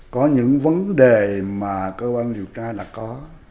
có những vấn đề mà cơ quan điều tra đã có